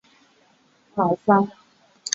每个战役有多种级别的难度。